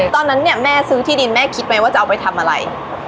ตอนนั้นเนี่ยแม่ซื้อที่ดินแม่คิดไหมว่าจะเอาไปทำอะไร